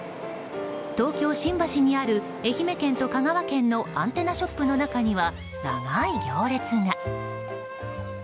東京・新橋にある愛媛県と香川県のアンテナショップの中には長い行列が。